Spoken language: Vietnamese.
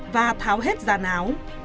và tháo hết dàn áo